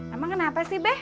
emang kenapa sih be